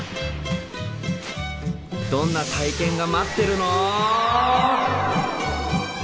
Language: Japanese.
どんな体験が待ってるの？